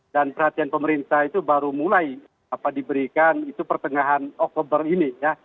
dan perhatian pemerintah itu baru mulai diberikan itu pertengahan oktober ini